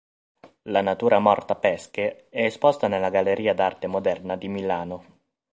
La natura morta "Pesche" è esposta nella Galleria d'arte moderna di Milano.